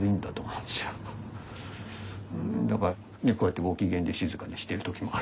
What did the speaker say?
うんだからねっこうやってご機嫌で静かにしてる時もあるわけですよ。